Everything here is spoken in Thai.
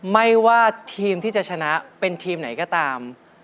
ไม่ว่าทีมที่จะชนะเป็นทีมไหนก็ตาม